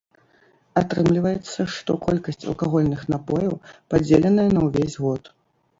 Атрымліваецца, што колькасць алкагольных напояў падзеленая на ўвесь год.